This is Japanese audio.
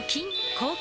抗菌！